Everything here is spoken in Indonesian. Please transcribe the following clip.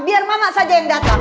biar mama saja yang datang